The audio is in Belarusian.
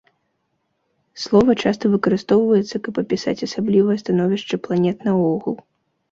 Слова часта выкарыстоўваецца, каб апісаць асаблівае становішча планет наогул.